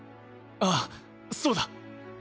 ああそうだ。